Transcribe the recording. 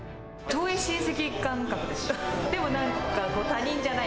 遠い親戚感覚です。